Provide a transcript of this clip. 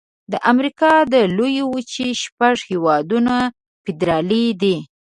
د امریکا د لویې وچې شپږ هيوادونه فدرالي دي.